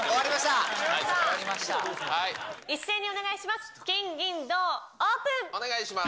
一斉にお願いします。